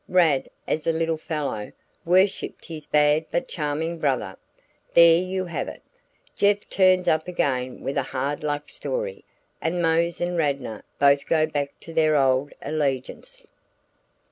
Rad, as a little fellow, worshipped his bad but charming brother. There you have it. Jeff turns up again with a hard luck story, and Mose and Radnor both go back to their old allegiance.